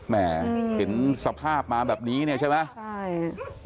แม่เห็นสภาพมาแบบนี้เนี่ยใช่ไหมใช่